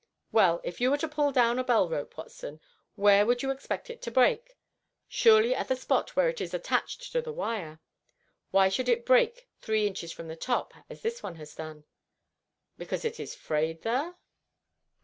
"Well, if you were to pull down a bell rope, Watson, where would you expect it to break? Surely at the spot where it is attached to the wire. Why should it break three inches from the top as this one has done?" "Because it is frayed there?"